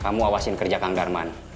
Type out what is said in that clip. kamu awasin kerja kang darman